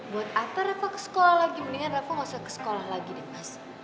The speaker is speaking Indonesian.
buat apa reva ke sekolah lagi mendingan reva ga usah ke sekolah lagi mas